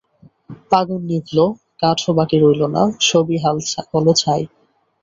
আগুন নিবল, কাঠও বাকি রইল না, সবই হল ছাই।